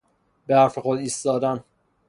به حرف خود ایستادن